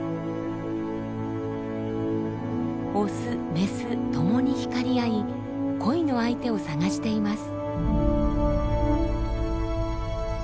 オスメスともに光り合い恋の相手を探しています。